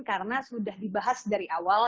karena sudah dibahas dari awal